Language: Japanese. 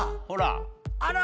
あら。